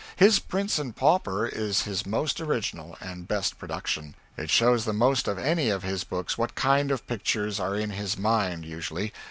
His "Prince and Pauper" is his most orriginal, and best production; it shows the most of any of his books what kind of pictures are in his mind, usually.